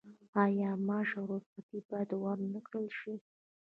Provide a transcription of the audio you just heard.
آیا معاش او رخصتي باید ورنکړل شي؟